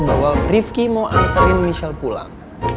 bahwa rifki mau anterin michelle pulang